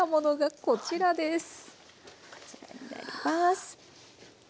こちらになります。